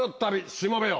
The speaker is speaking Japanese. しもべよ。